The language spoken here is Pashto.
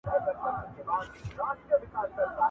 چې راتلونکي به شاید ونه اوسې